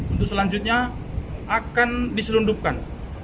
untuk selanjutnya akan diselundupkan